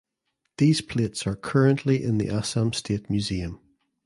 These plates are currently in the Assam State Museum.